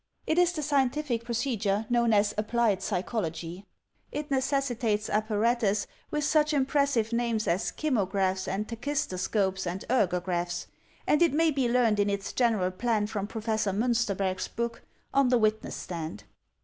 It is the scientific procedure known as applied psychology. It necessitates apparatus with such impressive names as kymographs and tachistoscopes and ergographs; and it may be led, rned in its general plan from Professor Miinsterberg's book, "On the Witness Stand."